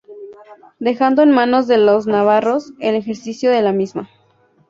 Dejando en manos de los navarros el ejercicio de la misma.